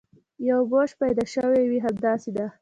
یو موش پیدا شوی وي، همداسې ده.